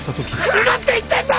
来るなって言ってんだ！